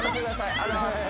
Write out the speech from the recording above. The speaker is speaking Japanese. ありがとうございます